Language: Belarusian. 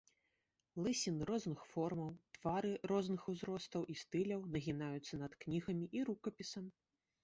Лысіны розных формаў, твары розных узростаў і стыляў нагінаюцца над кнігамі і рукапісам.